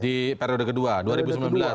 di periode kedua dua ribu sembilan belas